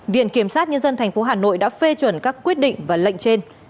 viện kiểm sát nhân dân tp hà nội đã phê chuẩn các quyết định và lệnh trên